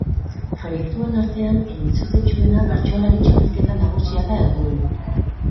Proiektuen artean entzutetsuena Bertsolari Txapelketa Nagusia da egun.